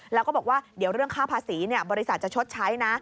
แล้วก็บอกว่าเดี๋ยวเรื่องค่าภาษีบริษัทจะชดใช้นะ